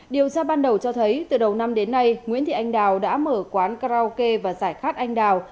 điều tra ban đầu cho thấy từ đầu năm đến nay nguyễn thị anh đào đã mở quán karaoke và giải khát anh đào